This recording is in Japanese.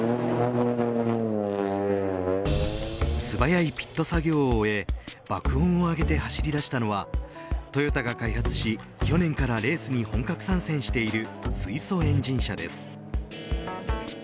素早いピット作業を終え爆音を上げて走り出したのはトヨタが開発し去年からレースに本格参戦している水素エンジン車です。